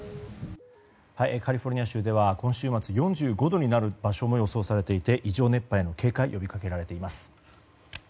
カリフォルニア州では今週末４５度になる場所も予想されていて異常熱波への警戒が呼びかけられています。